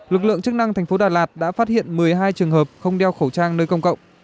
lực lượng chức năng thành phố đà lạt đã phát hiện một mươi hai trường hợp không đeo khẩu trang nơi công cộng